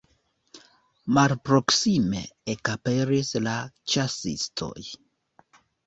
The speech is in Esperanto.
Malproksime ekaperis la ĉasistoj.